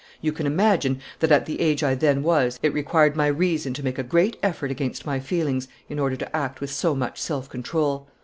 You can imagine that at the age I then was it required my reason to make a great effort against my feelings in order to act with so much self control.